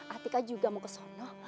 atika juga mau ke sana